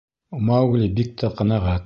Маугли бик тә ҡәнәғәт.